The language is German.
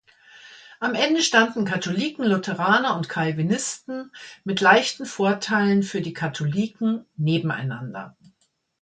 Am Ende standen Katholiken, Lutheraner und Calvinisten mit leichten Vorteilen für die Katholiken nebeneinander.